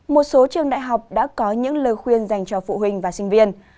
một số trường đại học đã có những lời khuyên dành cho phụ huynh và sinh viên